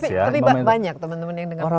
tapi banyak teman teman yang dengan